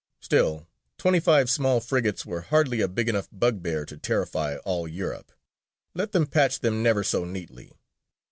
" Still twenty five small frigates were hardly a big enough bugbear to terrify all Europe, let them patch them never so neatly.